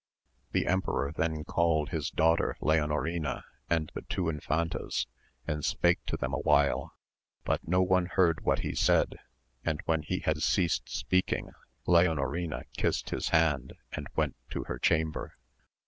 The emperor then called his daughter Leonorina and the two infantas and spake to them awhile, but no one heard what he said, and when he had ceased speaking Leonorina kist his hand and went to her chamber.